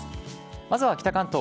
まずは北関東。